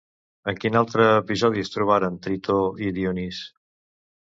En quin altre episodi es trobaren Tritó i Dionís?